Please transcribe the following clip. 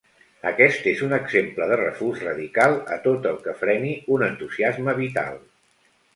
Aquest és un exemple de refús radical a tot el que freni un entusiasme vital.